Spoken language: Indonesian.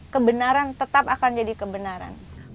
kebenaran tetap akan jadi kebenaran